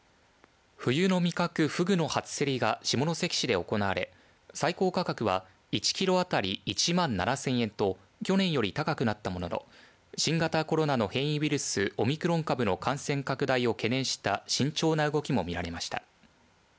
冬の味覚、フグの初競りが下関市で行われ最高価格は１キロ当たり１万７０００円と去年より高くなったものの新型コロナの変異ウイルスオミクロン株の感染拡大を懸念した慎重な動きも見られました。